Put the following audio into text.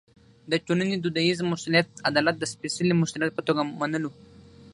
د ټولنې دودیز مسوولیت عدالت د سپېڅلي مسوولیت په توګه منلو.